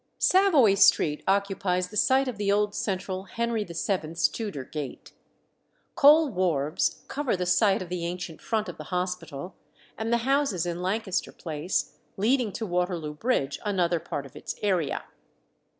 Savoy Street occupies the site of the old central Henry VII.'s Tudor gate. Coal wharves cover the site of the ancient front of the hospital, and the houses in Lancaster Place, leading to Waterloo Bridge, another part of its area.